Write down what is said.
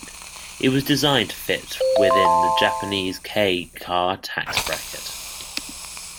It was designed to fit within the Japanese kei car tax bracket.